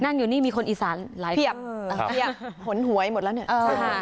นั่งอยู่นี่มีคนอีสานหลายเพียบหนหวยหมดแล้วเนี่ยเออค่ะ